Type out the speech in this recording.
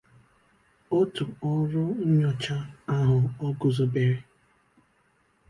òtù ọrụ nnyocha ahụ o guzobere